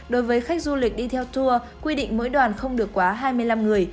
đối với khách du lịch đi theo tour quy định mỗi đoàn không được quá hai mươi năm người